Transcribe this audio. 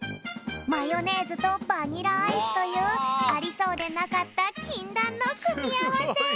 マヨネーズとバニラアイスというありそうでなかったきんだんのくみあわせ！